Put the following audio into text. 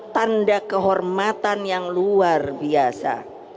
tanda kehormatan yang luar biasa